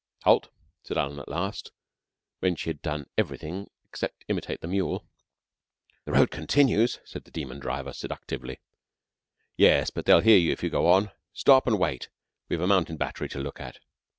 "Halt!" said Alan at last, when she had done everything except imitate the mule. "The road continues," said the demon driver seductively. "Yes, but they will hear you if you go on. Stop and wait. We've a mountain battery to look at."